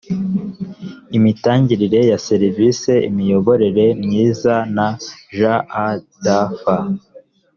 imitangire ya serivisi, imiyoborere myiza na jadf